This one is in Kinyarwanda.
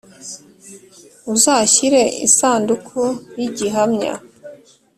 Uzashyire isanduku y igihamya